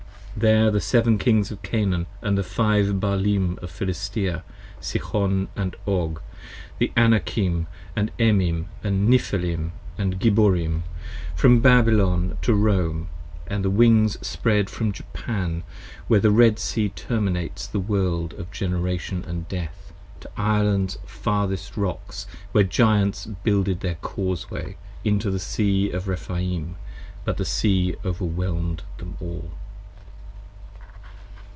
There the Seven Kings of Canaan & Five Baalim of Philistea, Sihon & Og, the Anakim & Emim, Nephilim & Gibborim, From Babylon to Rome: & the Wings spread from Japan, Where the Red Sea terminates the World of Generation & Death, 50 To Irelands farthest rocks where Giants builded their Causeway Into the Sea of Rephaim, but the Sea o'erwhelm'd them all.